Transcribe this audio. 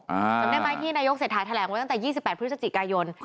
จำได้ไหมที่นายกเศรษฐาแถลงไว้ตั้งแต่๒๘พฤศจิกายน